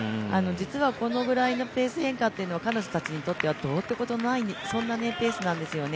実はこのぐらいのペース変化は彼女たちにとってはどうってことのないペースなんですよね。